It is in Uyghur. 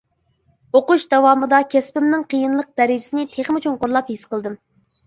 ئوقۇش داۋامىدا كەسپىمنىڭ قىيىنلىق دەرىجىسىنى تېخىمۇ چوڭقۇرلاپ ھېس قىلدىم.